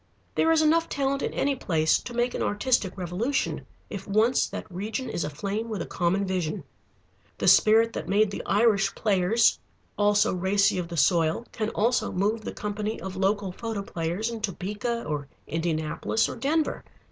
There is enough talent in any place to make an artistic revolution, if once that region is aflame with a common vision. The spirit that made the Irish Players, all so racy of the soil, can also move the company of local photoplayers in Topeka, or Indianapolis, or Denver.